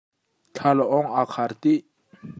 Thlalangawng a khar tih?